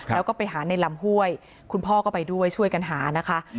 แล้วก็ไปหาในลำห้วยคุณพ่อก็ไปด้วยช่วยกันหานะคะ